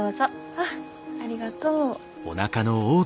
あっありがとう。